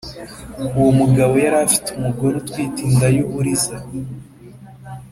Uwomugabo yari afite umugore utwite inda y' uburiza,